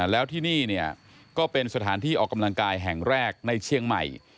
แล้วที่นี่ก็เป็นสถานที่ออกกำลังกายแห่งแรกในเชียงใหม่